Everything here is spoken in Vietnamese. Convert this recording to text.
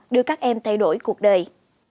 đưa các em thay đổi cuộc đời